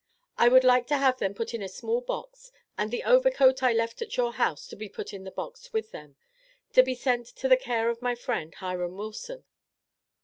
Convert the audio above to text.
I would like to have them put in a small box, and the overcoat I left at your house to be put in the box with them, to be sent to the care of my friend, Hiram Wilson.